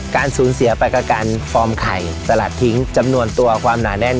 การสูญเสียไปกับการฟอร์มไข่สลัดทิ้งจำนวนตัวความหนาแน่น